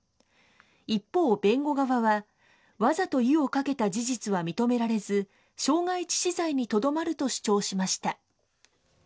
一方弁護側は、わざと湯をかけた事実は認められず、傷害致死罪にとどまると主張しました。